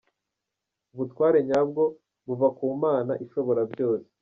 Ubutware nyabwo buva ku Mana Ishobora byose.